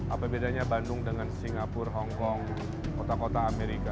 apa bedanya bandung dengan singapura hongkong kota kota amerika